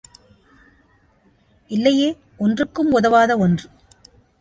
இல்லையே ஒன்றுக்கும் உதவாத ஒன்று.